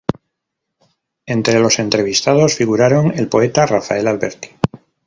Entre los entrevistados figuraron el poeta Rafael Alberti.